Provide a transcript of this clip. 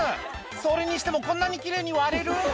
それにしてもこんなにきれいに割れる？